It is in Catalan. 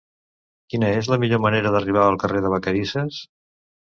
Quina és la millor manera d'arribar al carrer de Vacarisses?